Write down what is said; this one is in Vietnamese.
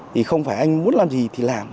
thì không phải anh muốn làm gì thì làm